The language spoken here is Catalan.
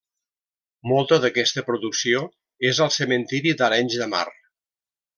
Molta d'aquesta producció és al cementiri d'Arenys de Mar.